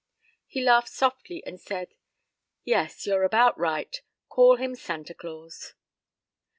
He laughed softly and said, "Yes; you're about right. Call him Santa Claus."